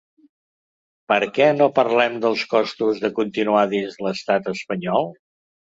Per què no parlem dels costos de continuar dins l’estat espanyol?